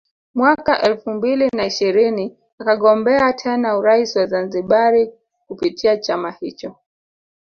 Mwaka elfu mbili na ishirini akagombea tena urais wa Zanzibari kupitia chama hicho